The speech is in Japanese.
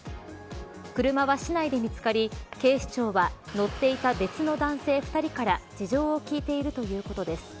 車は市内で見つかり警視庁は乗っていた別の男性２人から事情を聴いているということです。